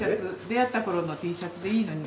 出会った頃のＴシャツでいいのに。